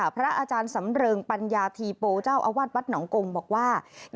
พระอาจารย์สำเริงปัญญาธีโปเจ้าอาวาสวัดหนองกงบอกว่า